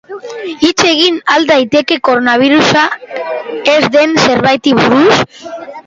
Hitz egin al daiteke koronabirusa ez den zerbaiti buruz?